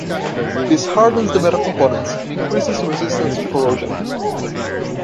This hardens the metal components and increases resistance to corrosion.